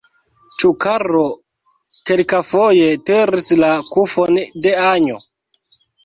Ĉu Karlo kelkafoje tiris la kufon de Anjo?